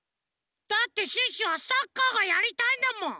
だってシュッシュはサッカーがやりたいんだもん！